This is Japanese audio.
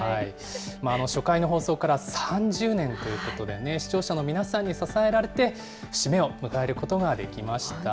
初回の放送から３０年ということでね、視聴者の皆さんに支えられて、節目を迎えることができました。